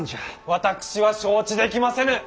私は承知できませぬ！